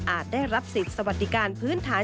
ได้รับสิทธิ์สวัสดิการพื้นฐาน